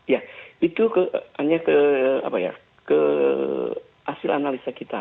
ya itu hanya ke hasil analisa kita